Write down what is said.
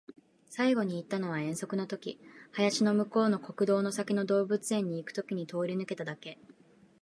最後に行ったのは遠足の時、林の向こうの国道の先の動物園に行く時に通り抜けただけ